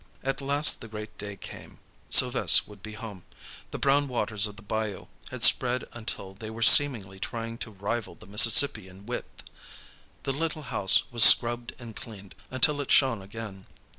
At last the great day came, Sylves' would be home. The brown waters of the bayou had spread until they were seemingly trying to rival the Mississippi in width. The little house was scrubbed and cleaned until it shone again.